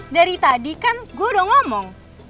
dari tadi kan gue udah ngomong